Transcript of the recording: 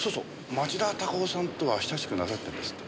町田隆夫さんとは親しくなさってるんですって？